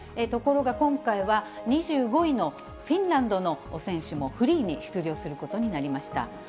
ところが今回は、２５位のフィンランドの選手も、フリーに出場することになりました。